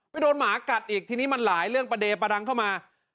โดนหมากัดอีกทีนี้มันหลายเรื่องประเดประดังเข้ามา